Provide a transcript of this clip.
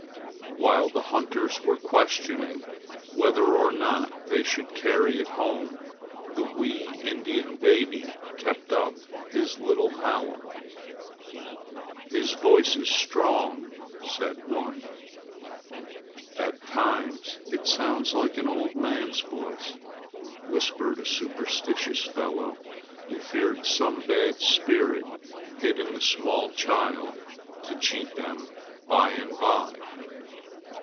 While the hunters were questioning whether or no they should carry it home, the wee Indian baby kept up his little howl. "His voice is strong!" said one. "At times it sounds like an old man's voice!" whispered a superstitious fellow, who feared some bad spirit hid in the small child to cheat them by and by.